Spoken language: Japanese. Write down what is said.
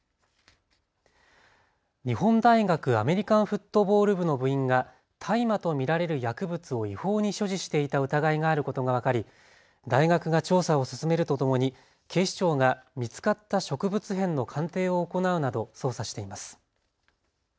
日本大学アメリカンフットボール部の部員が大麻と見られる薬物を違法に所持していた疑いがあることが分かり大学が調査を進めるとともに警視庁が見つかった植物片の鑑定を行うなど捜査しています。